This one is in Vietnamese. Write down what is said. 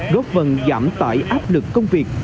góp vần giảm tải áp lực công việc